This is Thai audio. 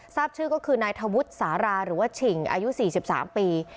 ทราบชื่อก็คือนายทวุทธ์สาราหรือว่าฉิ่งอายุสี่สิบสามปี